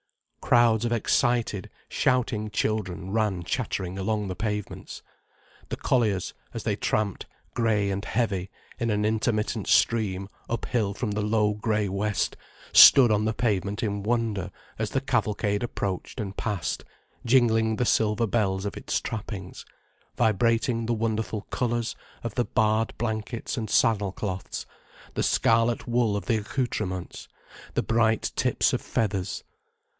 Crowds of excited, shouting children ran chattering along the pavements. The colliers, as they tramped grey and heavy, in an intermittent stream uphill from the low grey west, stood on the pavement in wonder as the cavalcade approached and passed, jingling the silver bells of its trappings, vibrating the wonderful colours of the barred blankets and saddle cloths, the scarlet wool of the accoutrements, the bright tips of feathers.